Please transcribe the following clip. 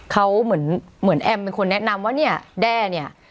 เขาเหมือนเหมือนแอมเป็นคนแนะนำว่าเนี่ยแด้เนี่ย